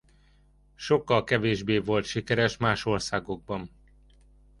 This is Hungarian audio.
Sokkal kevésbé volt sikeres más országokban.